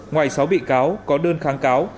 ngoài sáu bị cáo có đơn kháng cáo